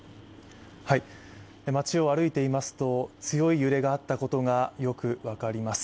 町を歩いていますと、強い揺れがあったことがよく分かります。